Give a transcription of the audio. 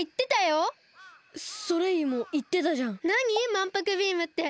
「まんぷくビーム」って。